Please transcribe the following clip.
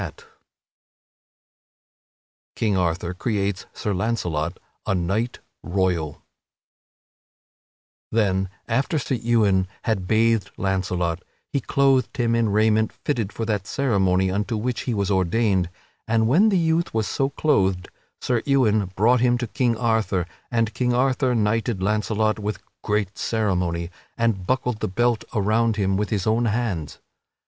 [Sidenote: King Arthur creates Sir Launcelot a Knight Royal] Then, after Sir Ewain had bathed Launcelot, he clothed him in raiment fitted for that ceremony unto which he was ordained, and when the youth was so clothed, Sir Ewain brought him to King Arthur, and King Arthur knighted Launcelot with great ceremony, and buckled the belt around him with his own hands.